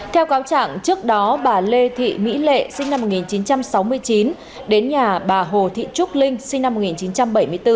theo cáo trạng trước đó bà lê thị mỹ lệ sinh năm một nghìn chín trăm sáu mươi chín đến nhà bà hồ thị trúc linh sinh năm một nghìn chín trăm bảy mươi bốn